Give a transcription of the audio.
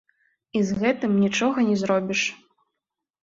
І з гэтым нічога не зробіш.